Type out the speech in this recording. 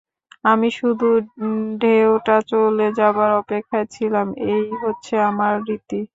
আমি শুধু ঢেউটা চলে যাবার অপেক্ষায় ছিলাম, এই হচ্ছে আমার রীতি।